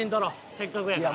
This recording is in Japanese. せっかくやから。